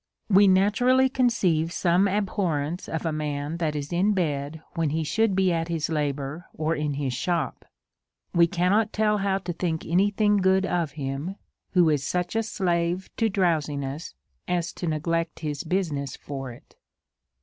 We naturally conceive some abhorrence of a man that is in bed when he should be at his labour, or in bis shop. AVe cannot tell how to think any thing good of him who is such a slave to drowsiness as to neglect his business for it.